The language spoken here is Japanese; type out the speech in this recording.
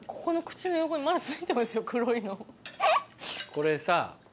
これさ。